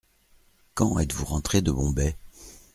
Quand êtes-vous rentré de Bombay ?